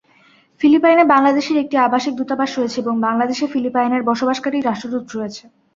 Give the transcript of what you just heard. ফিলিপাইনে বাংলাদেশের একটি আবাসিক দূতাবাস রয়েছে এবং বাংলাদেশে ফিলিপাইনের বসবাসকারী রাষ্ট্রদূত রয়েছে।